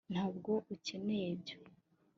ntabwo ukeneye ibyo